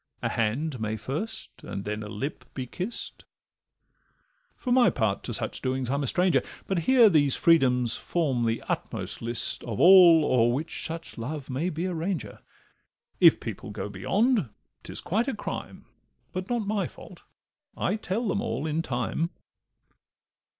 A hand may first, and then a lip be kist; For my part, to such doings I'm a stranger, But hear these freedoms form the utmost list Of all o'er which such love may be a ranger: If people go beyond, 'tis quite a crime, But not my fault—I tell them all in time.